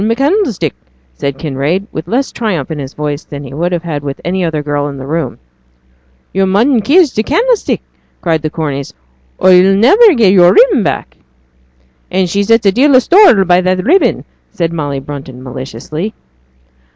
'I'm candlestick,' said Kinraid, with less of triumph in his voice than he would have had with any other girl in the room. 'Yo' mun kiss t' candlestick,' cried the Corneys, 'or yo'll niver get yo'r ribbon back.' 'And she sets a deal o' store by that ribbon,' said Molly Brunton, maliciously.